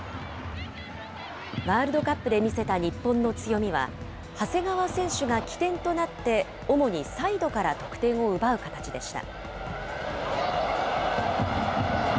ワールドカップで見せた日本の強みは、長谷川選手が起点となって主にサイドから得点を奪う形でした。